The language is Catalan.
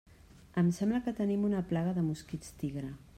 Em sembla que tenim una plaga de mosquits tigre.